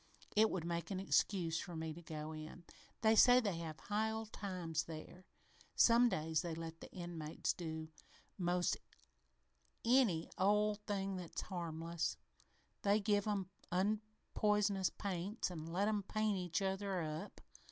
It would make an excuse for me to go in. They say they have high old times there. Some days they let the inmates do 'most any old thing that's harmless. They even give 'em unpoisonous paints an' let 'em paint each other up.